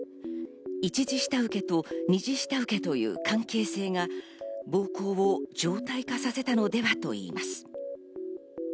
一次下請けと二次下請けという関係性が暴行を常態化させたのではといいます。